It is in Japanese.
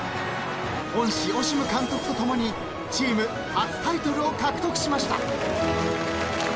［恩師オシム監督と共にチーム初タイトルを獲得しました］